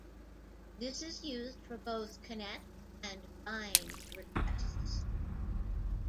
This is used for both "connect" and "bind" requests.